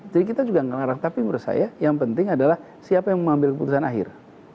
jadi kita juga ngelarang tapi menurut saya yang penting adalah siapa yang mengambil keputusan akhir